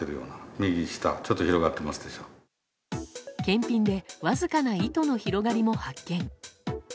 検品でわずかな糸の広がりも発見。